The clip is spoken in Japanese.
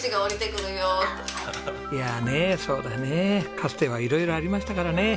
かつては色々ありましたからね。